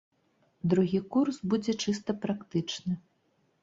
Другі курс будзе чыста практычны.